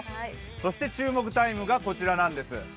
そして注目タイムがこちらです。